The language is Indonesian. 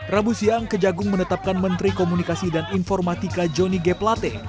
rabu siang kejagung menetapkan menteri komunikasi dan informatika johnny g plate